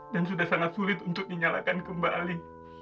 sudah sangat sulit untuk dinyalakan kembali